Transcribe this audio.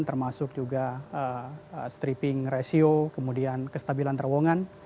termasuk juga stripping ratio kemudian kestabilan terowongan